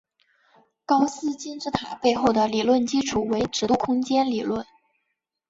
高斯金字塔背后的理论基础为尺度空间理论。